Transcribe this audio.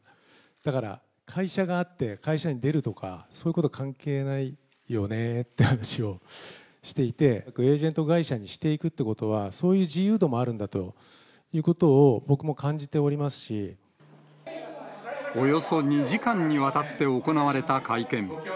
だから、会社があって、会社に出るとか、そういうこと関係ないよねっていう話をしていて、エージェント会社にしていくということは、そういう自由度もあるんだということを、およそ２時間にわたって行われた会見。